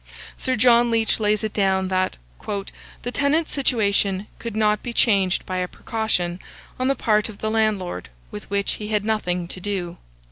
Sir John Leach lays it down, that "the tenant's situation could not be changed by a precaution, on the part of the landlord, with which he had nothing to do."